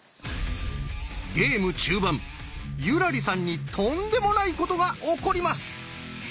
ゲーム中盤優良梨さんにとんでもないことが起こります！